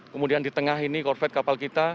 kemudian di tengah ini corvet kapal kita